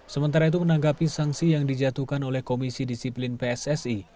sementara itu menanggapi sanksi yang dijatuhkan oleh komisi disiplin pssi